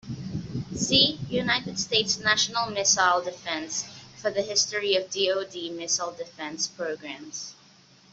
See United States national missile defense for the history of DoD missile defense programs.